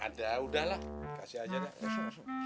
ada udahlah kasih aja dah